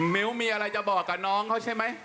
มิ้วมีอะไรจะบอกกับน้องเขาใช่ไหม